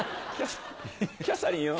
キャサリンよ。